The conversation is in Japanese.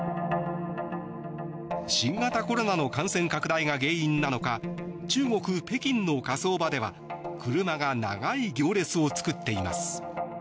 新型コロナの感染拡大が原因なのか中国・北京の火葬場では車が長い行列を作っています。